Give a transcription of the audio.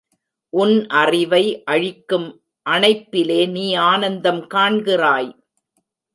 உன் அறிவை அழிக்கும் அணைப்பிலே நீ ஆனந்தம் காண்கிறாய்!